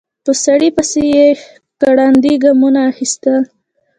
په سړي پسې يې ګړندي ګامونه اخيستل.